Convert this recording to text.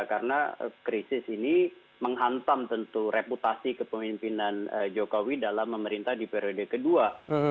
karena krisis ini menghantam tentu reputasi kepemimpinan jokowi dalam memerintah di periode kedua